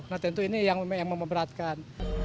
nah tentu ini yang memberatkan